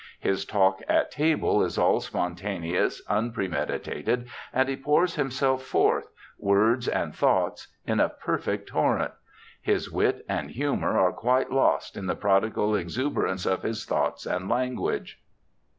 His talk at table is all spontaneous, unpremeditated, and he pours himself forth — words and thoughts — in a perfect torrent. His wit and humour are quite lost in the prodigal exuberance of his thoughts and language.'